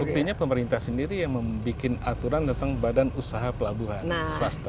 buktinya pemerintah sendiri yang membuat aturan tentang badan usaha pelabuhan swasta